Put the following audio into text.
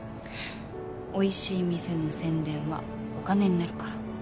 おいしい店の宣伝はお金になるから。